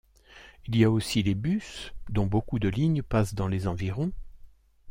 Il y a aussi les bus, dont beaucoup de lignes passent dans les environs.